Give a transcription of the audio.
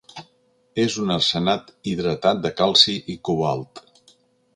És un arsenat hidratat de calci i cobalt.